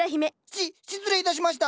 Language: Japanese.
し失礼いたしました。